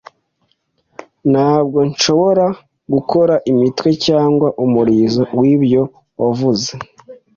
Ntabwo nshobora gukora imitwe cyangwa umurizo wibyo wavuze.